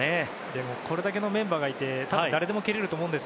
でもこれだけのメンバーがいて誰でも蹴れると思います